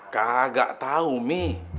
kagak tahu umi